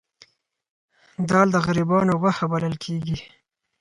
دال د غریبانو غوښه بلل کیږي